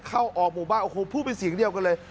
เข้าออกหมู่บ้านโอ้โหพูดเป็นเสียงเดียวกันเลย